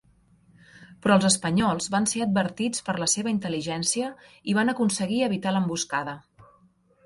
Però els espanyols van ser advertits per la seva intel·ligència i van aconseguir evitar l'emboscada.